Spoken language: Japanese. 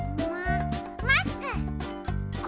ママスク！